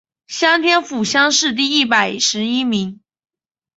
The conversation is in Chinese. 顺天府乡试第一百十一名。